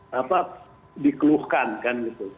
bilang selama ini dikeluhkan kan gitu